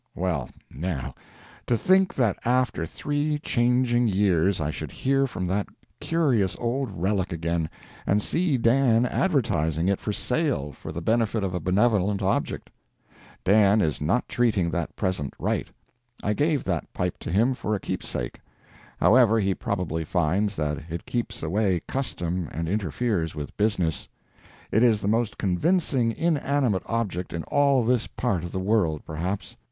.............................. Well, now, to think that after three changing years I should hear from that curious old relic again, and see Dan advertising it for sale for the benefit of a benevolent object. Dan is not treating that present right. I gave that pipe to him for a keepsake. However, he probably finds that it keeps away custom and interferes with business. It is the most convincing inanimate object in all this part of the world, perhaps.